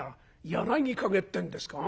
『柳陰』ってんですか？